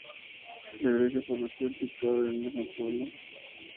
La iglesia parroquial, situada en el mismo pueblo, está dedicada a San Esteban.